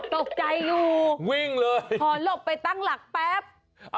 ตกใจดูพอหลบไปตั้งหลักแป๊บวิ่งเลย